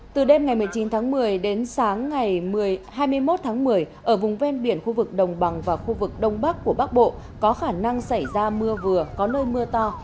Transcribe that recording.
từ đêm ngày một mươi chín tháng một mươi đến sáng ngày hai mươi một tháng một mươi ở vùng ven biển khu vực đồng bằng và khu vực đông bắc của bắc bộ có khả năng xảy ra mưa vừa có nơi mưa to